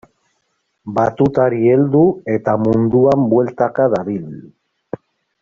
Batutari heldu eta munduan bueltaka dabil.